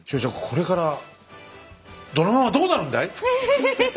これからドラマはどうなるんだい？え！